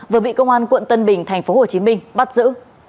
vừa bị công an quận tân bình tp hcm bắt giữ